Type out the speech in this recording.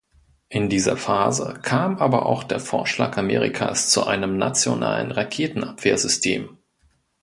In dieser Phase kam aber auch der Vorschlag Amerikas zu einem nationalen Raketenabwehrsystem.